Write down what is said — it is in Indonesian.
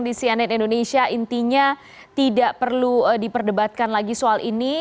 di cnn indonesia intinya tidak perlu diperdebatkan lagi soal ini